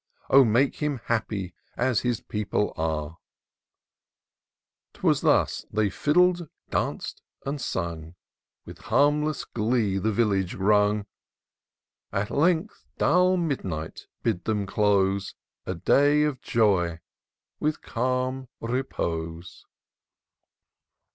O make him happy as his people axe !" 'Twas thus they fiddled, danc'd, and sung; With harmless glee the village rung : At length, dull midnight bid them close A day of joy, with calm repose.